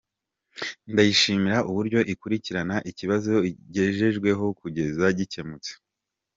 Ndayishimira uburyo ikurikirana ikibazo igejejweho kugeza gikemutse."